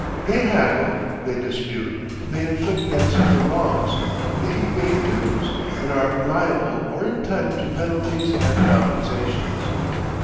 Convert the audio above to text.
They haggle, they dispute, they inflict and suffer wrongs, they evade dues, and are liable or entitled to penalties and compensations.